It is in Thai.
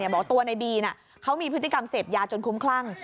บอกว่าตัวในบีเขามีพฤติกรรมเสพยาจนคุ้มคลั่ง